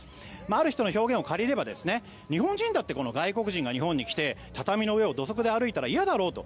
ある人の表現を借りれば日本人だって外国人が日本に来て畳の上を土足で歩いたら嫌だろうと。